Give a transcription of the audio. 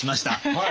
はい。